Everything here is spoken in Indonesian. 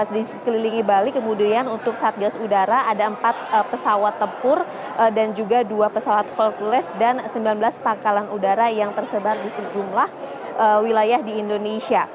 di sekelilingi bali kemudian untuk satgas udara ada empat pesawat tempur dan juga dua pesawat hercules dan sembilan belas pangkalan udara yang tersebar di sejumlah wilayah di indonesia